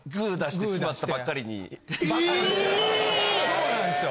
そうなんですよ。